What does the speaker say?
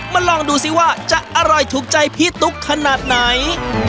ลองดูซิว่าจะอร่อยถูกใจพี่ตุ๊กขนาดไหน